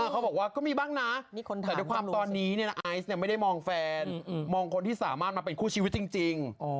เขาบอกว่าก็มีบ้างนะแต่ด้วยความตอนนี้ไอซ์ไม่ได้มองแฟนมองคนที่สามารถมาเป็นคู่ชีวิตจริง